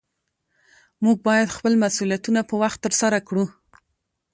موږ باید خپل مسؤلیتونه په وخت ترسره کړو